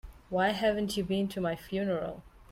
Why haven't you been to my funeral?